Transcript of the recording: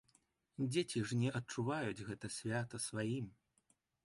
Дзеці ж не адчуваюць гэта свята сваім.